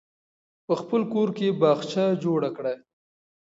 په خپل کور کې باغچه جوړه کړئ.